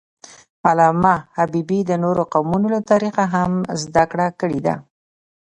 علامه حبیبي د نورو قومونو له تاریخه هم زدهکړه کړې ده.